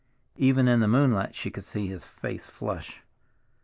Even in the moonlight she could see his face flush.